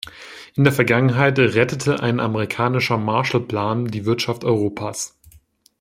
In der Vergangenheit rettete ein amerikanischer Marshall-Plan die Wirtschaft Europas.